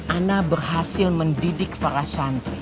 ana berhasil mendidik para santri